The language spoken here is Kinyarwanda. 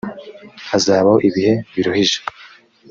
hazabaho ibihe biruhije